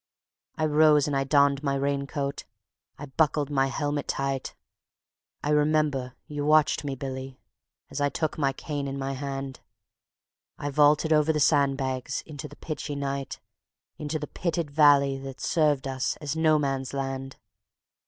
I rose and I donned my rain coat; I buckled my helmet tight. I remember you watched me, Billy, as I took my cane in my hand; I vaulted over the sandbags into the pitchy night, Into the pitted valley that served us as No Man's Land.